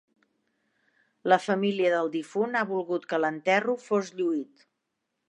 La família del difunt ha volgut que l'enterro fos lluit.